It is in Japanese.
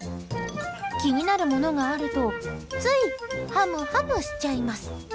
気になるものがあるとつい、ハムハムしちゃいます。